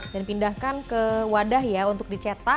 dan pindahkan ke wadah ya untuk dicetak